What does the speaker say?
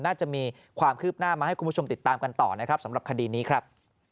น่าจะมีความคืบหน้ามาให้คุณผู้ชมติดตามกันต่อนะครับสำหรับคดีนี้ครับ